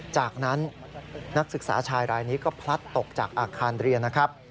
จากนั้นนักศึกษาชายรายนี้ก็พลัดตกจากอาคารเรียนนะครับ